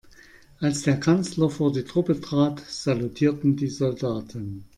Als der Kanzler vor die Truppe trat, salutierten die Soldaten.